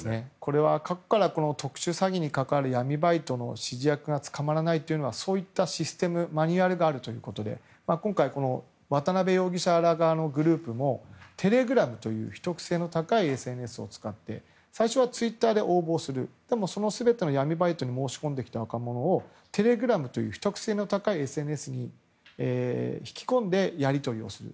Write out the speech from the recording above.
これは過去から特殊詐欺に関わる闇バイトの指示役が捕まらないのはそういったシステムマニュアルがあるということで今回、渡邉被告ら側のグループもテレグラムという秘匿性の高いＳＮＳを使って最初はツイッターで応募するその全ての闇バイトに申し込んできた若者をテレグラムという秘匿性の高いＳＮＳに引き込んでやり取りする。